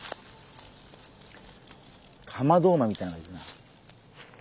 カマドウマみたいのがいるな。